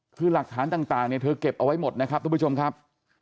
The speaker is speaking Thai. คือหลักฐานต่างเนี่ยเธอเก็บเอาไว้หมดนะครับทุกผู้ชมครับ